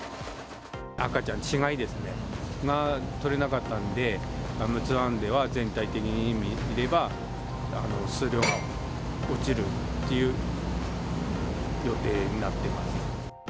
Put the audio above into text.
赤ちゃん、稚貝ですね、取れなかったんで、陸奥湾では、全体的に見れば、数量が落ちるという予定になってますね。